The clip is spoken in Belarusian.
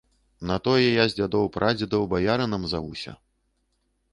На тое я з дзядоў, прадзедаў баярынам завуся.